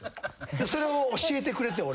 それを教えてくれて俺に。